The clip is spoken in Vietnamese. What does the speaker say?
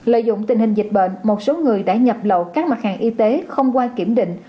lợi dụng tình hình dịch bệnh một số người đã nhập lậu các mặt hàng y tế không qua kiểm định